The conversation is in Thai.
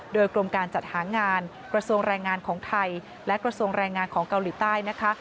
โดยกรมการจัดหางานกระทรวงแรงงานของไทยและกระทรวงแรงงานของเกาหลีใต้นะคะ